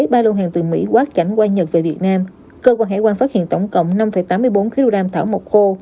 ba lô hàng từ mỹ quát cảnh qua nhật về việt nam cơ quan hải quan phát hiện tổng cộng năm tám mươi bốn kg thảo mộc khô